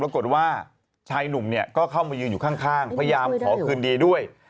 ปรากฏว่าชายหนุ่มเนี่ยก็เข้ามายืนอยู่ข้างพยายามขอคืนดีด้วย